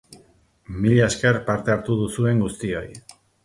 Mila esker parte hartu duzuen guztioi!